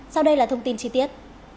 sau đây là thông tin chi tiết